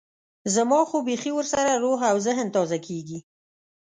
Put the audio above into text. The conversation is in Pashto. زما خو بيخي ورسره روح او ذهن تازه کېږي.